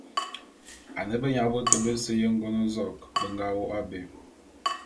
Ane benyabôtô bese y'Engôn-zok be nga wôk abé.